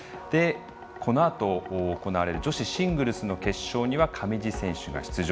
このあと行われる女子シングルスの決勝には上地選手が出場。